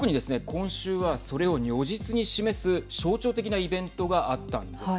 今週は、それを如実に示す象徴的なイベントがあったんです。